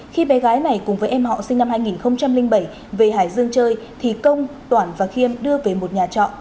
khi bé gái này cùng với em họ sinh năm hai nghìn bảy về hải dương chơi thì công toản và khiêm đưa về một nhà trọ